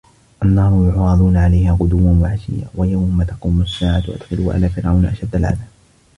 النّارُ يُعرَضونَ عَلَيها غُدُوًّا وَعَشِيًّا وَيَومَ تَقومُ السّاعَةُ أَدخِلوا آلَ فِرعَونَ أَشَدَّ العَذابِ